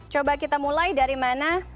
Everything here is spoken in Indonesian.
coba kita mulai dari mana